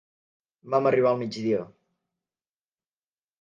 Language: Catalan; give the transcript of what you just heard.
Vam arribar al migdia.